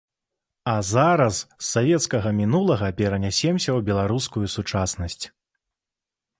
А зараз з савецкага мінулага перанясемся ў беларускую сучаснасць.